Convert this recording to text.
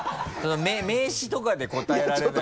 名詞とかで答えられないと。